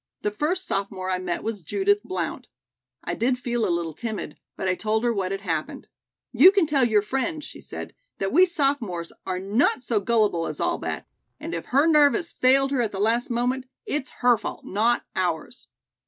The first sophomore I met was Judith Blount. I did feel a little timid, but I told her what had happened. 'You can tell your friend,' she said, 'that we sophomores are not so gullible as all that, and if her nerve has failed her at the last moment, it's her fault, not ours.'"